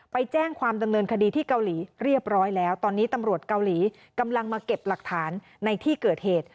ไปแจ้งความดำเนินคดีที่เกาหลีเรียบร้อยแล้วตอนนี้ตำรวจเกาหลีกำลังมาเก็บหลักฐานในที่เกิดเหตุ